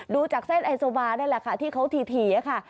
ดูจากเส้นไอโซบานี่แหละค่ะที่เขาถี่ค่ะ